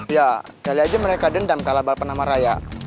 ya kali aja mereka dendam ke alabar penama raya